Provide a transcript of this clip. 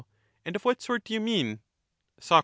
and of what sort do you mean? Sac.